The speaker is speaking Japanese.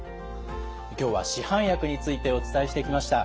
今日は市販薬についてお伝えしてきました。